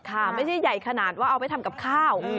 ไม่ใช่ใหญ่ขนาดว่าเอาไปทำกับข้าว